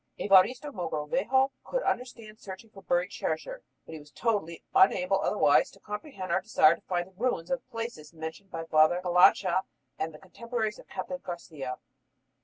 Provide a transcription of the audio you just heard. Evaristo Mogrovejo could understand searching for buried treasure, but he was totally unable otherwise to comprehend our desire to find the ruins of the places mentioned by Father Calancha and the contemporaries of Captain Garcia.